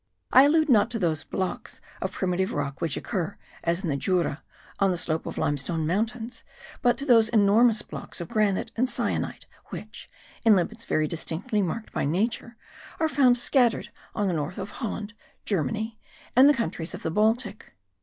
I allude not to those blocks of primitive rock which occur, as in the Jura, on the slope of limestone mountains, but to those enormous blocks of granite and syenite which, in limits very distinctly marked by nature, are found scattered on the north of Holland, Germany and the countries of the Baltic.